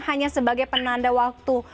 hanya sebagai penanda waktu